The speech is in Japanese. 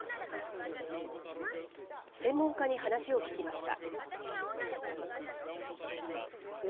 専門家に話を聞きました。